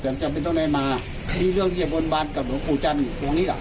แต่ว่าจะไปจ้างไหนมามีเรื่องเยี่ยมบรมบาลกับหลวงอู๋จันทร์อยู่พวกนี้แล้ว